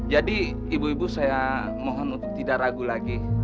jadi ibu ibu saya mohon untuk tidak ragu lagi